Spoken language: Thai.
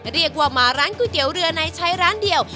เรียกว่ามาร้านก๋วยเตี๋ยวเรือในใช้ร้านเดียว